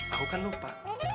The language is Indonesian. aku kan lupa